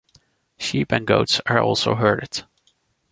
Sheep and goats are also herded.